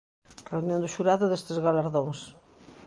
Reunión do xurado destes galardóns.